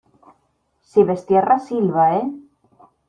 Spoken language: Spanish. si ves tierra, silba ,¿ eh?